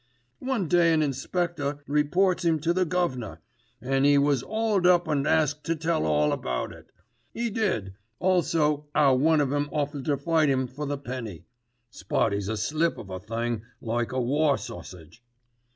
"One day an inspector reports 'im to the guv'nor, an' 'e was 'auled up an' asked to tell all about it. 'E did, also 'ow one of 'em offered to fight 'im for the penny. Spotty's a slip of a thing like a war sausage.